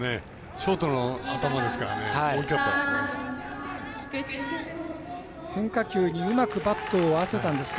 ショートの頭ですから大きかったですね。